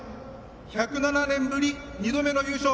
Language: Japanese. １０７年ぶり２度目の優勝